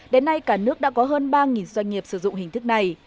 đến nay cả nước đã có hơn ba doanh nghiệp sử dụng hình thức này